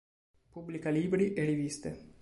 Pubblica libri e riviste.